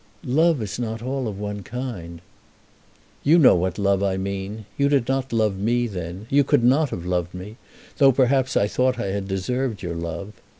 "Love is not all of one kind." "You know what love I mean. You did not love me then. You could not have loved me, though, perhaps, I thought I had deserved your love.